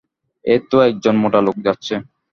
এই তো এক জন মোটা লোক যাচ্ছে।